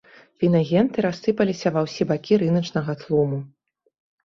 Фінагенты рассыпаліся ва ўсе бакі рыначнага тлуму.